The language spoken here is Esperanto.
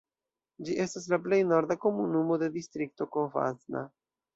Ĝi estas la plej norda komunumo de distrikto Covasna.